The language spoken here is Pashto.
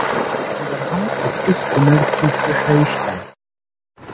د ننګرهار په کوز کونړ کې څه شی شته؟